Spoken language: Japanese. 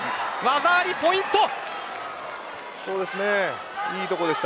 技ありのポイントです。